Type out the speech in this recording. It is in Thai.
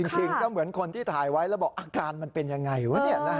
จริงก็เหมือนคนที่ถ่ายไว้แล้วบอกอาการมันเป็นยังไงวะ